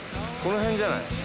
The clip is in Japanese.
この辺じゃない？